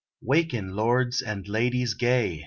' Waken, lords and ladies gay